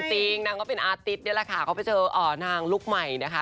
จริงนางก็เป็นอาร์ติ๊ดนี่แหละค่ะเขาไปเจอนางลุคใหม่นะคะ